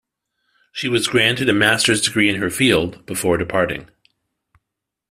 She was granted a master's degree in her field, before departing.